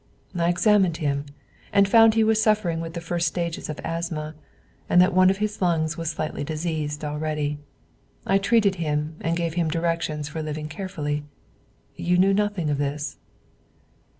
I examined him, and found he was suffering with the first stages of asthma, and that one of his lungs was slightly diseased already. I treated him and gave him directions for living carefully. You knew nothing of this?"